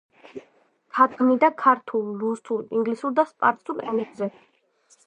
თარგმნიდა ქართულ, რუსულ, ინგლისურ და სპარსულ ენებზე.